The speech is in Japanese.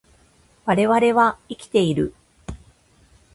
我々は生きている